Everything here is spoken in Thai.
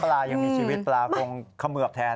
ปลายังมีชีวิตปลาคงเขมือบแทน